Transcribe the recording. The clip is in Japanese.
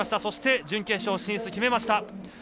そして準決勝進出決めました。